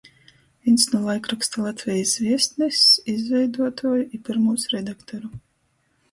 Vīns nu laikroksta "Latvejis Viestness" izveiduotuoju i pyrmūs redaktoru,